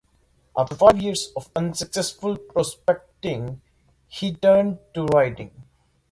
After five years of unsuccessful prospecting, he turned to writing.